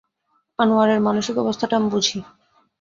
আনোয়ারের মানসিক অবস্থাটা আমি বুঝি।